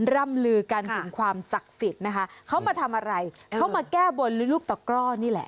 ร่ำลือกันถึงความศักดิ์สิทธิ์นะคะเขามาทำอะไรเขามาแก้บนด้วยลูกตะกร่อนี่แหละ